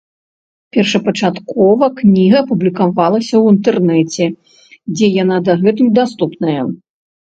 Першапачаткова кніга публікавалася ў інтэрнэце, дзе яна дагэтуль даступная.